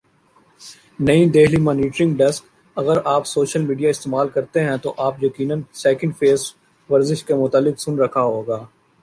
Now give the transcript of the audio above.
نئی Delhi monitoring desk اگر آپ سوشل میڈیا استعمال کرتے ہیں تو آپ یقینا سیکنڈ فیس ورزش کے متعلق سن رکھا ہو گا